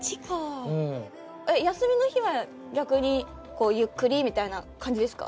休みの日は逆にゆっくりみたいな感じですか？